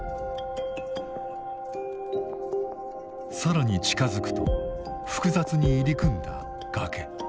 更に近づくと複雑に入り組んだ崖。